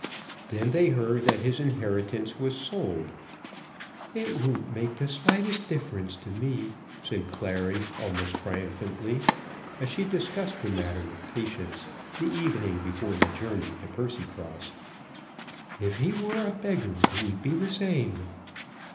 Then they heard that his inheritance was sold. "It won't make the slightest difference to me," said Clary almost triumphantly, as she discussed the matter with Patience the evening before the journey to Percycross. "If he were a beggar it would be the same."